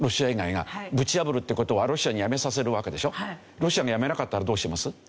ロシアがやめなかったらどうします？